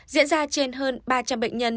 diễn ra trên hơn ba trăm linh bệnh nhân